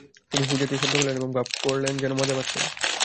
তিনি হু-জাতীয় শব্দ করলেন এবং ভাব করলেন যেন মজা পাচ্ছেন।